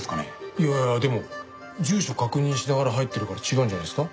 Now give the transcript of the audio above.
いやいやでも住所確認しながら入ってるから違うんじゃないですか？